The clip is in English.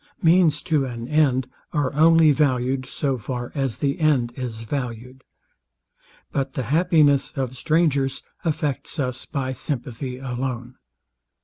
Means to an end are only valued so far as the end is valued. But the happiness of strangers affects us by sympathy alone.